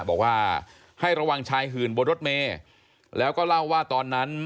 บอกว่าให้ระวังชายหื่นบนรถเมย์แล้วก็เล่าว่าตอนนั้น